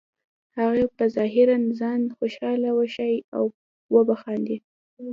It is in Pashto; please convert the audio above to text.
هغه به ظاهراً ځان خوشحاله وښیې او وبه خاندي